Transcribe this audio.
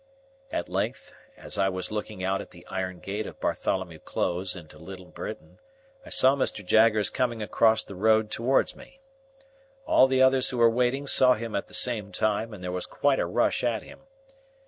At length, as I was looking out at the iron gate of Bartholomew Close into Little Britain, I saw Mr. Jaggers coming across the road towards me. All the others who were waiting saw him at the same time, and there was quite a rush at him.